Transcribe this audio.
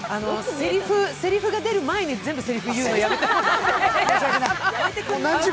せりふが出る前に全部せりふを言うのやめてくれる。